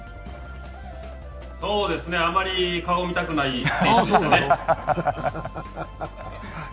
そうですね、あまり顔を見たくない選手ですね。